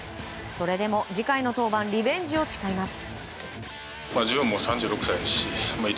それでも次回の登板リベンジを誓います。